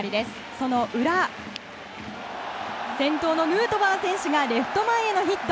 その裏、先頭のヌートバー選手がレフト前へのヒット。